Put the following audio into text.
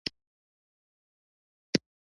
مازیګر سلګۍ وهلې چې ازموینه خلاصه شوه.